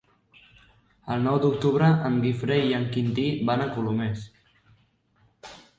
El nou d'octubre en Guifré i en Quintí van a Colomers.